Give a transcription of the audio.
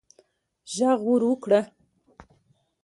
ږغ ور وکړه